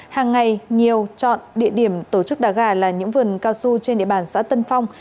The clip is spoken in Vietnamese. hàng ngày nhiều chọn địa điểm tổ chức đá gà là những vườn cao su trên địa bàn xã tân phong